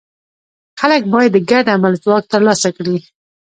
خلک باید د ګډ عمل ځواک ترلاسه کړي.